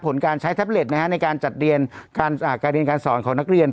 ผลการใช้แท็บเล็ตในการจัดเรียนการเรียนการสอนของนักเรียน